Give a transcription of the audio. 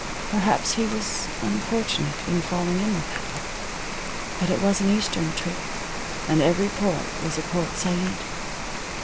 Perhaps he was unfortunate in falling in with that one. But it was an Eastern trip, and every port was a Port Said.